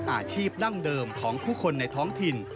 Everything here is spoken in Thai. อาชีพดั้งเดิมของผู้คนในท้องถิ่น